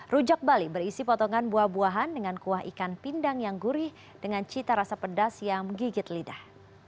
rujak bali berisi potongan buah buahan dengan kuah ikan pindang yang gurih dengan cita rasa pedas yang gigit lidah